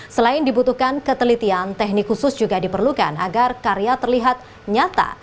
selain dibutuhkan ketelitian teknik khusus juga diperlukan agar karya terlihat nyata